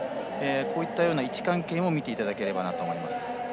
こういったような位置関係も見ていただければと思います。